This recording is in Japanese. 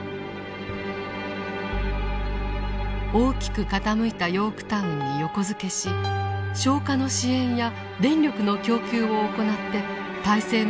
大きく傾いた「ヨークタウン」に横付けし消火の支援や電力の供給を行って態勢の立て直しを図りました。